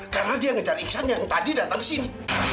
karena dia ngejar iksan yang tadi datang kesini